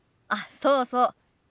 あっそうそう。